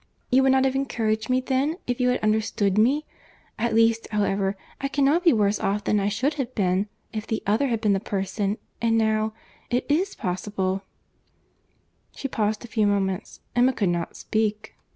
"You would not have encouraged me, then, if you had understood me? At least, however, I cannot be worse off than I should have been, if the other had been the person; and now—it is possible—" She paused a few moments. Emma could not speak.